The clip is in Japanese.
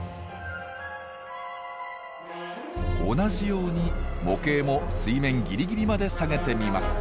同じように模型も水面ギリギリまで下げてみます。